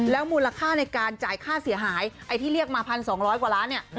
มูลค่าในการจ่ายค่าเสียหายไอ้ที่เรียกมา๑๒๐๐กว่าล้านเนี่ย